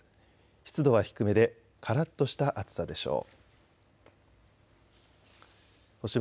湿度は低めでからっとした暑さでしょう。